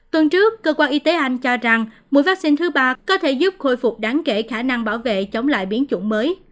tuần trước cơ quan y tế anh cho rằng mũi vaccine thứ ba có thể giúp khôi phục đáng kể khả năng bảo vệ chống lại biến chủng mới